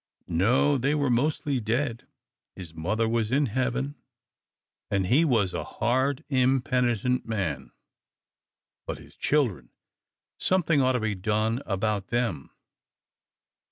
No, they were mostly dead, his mother was in heaven, and he was a hard, impenitent man. But his children something ought to be done about them.